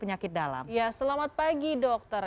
ya selamat pagi dokter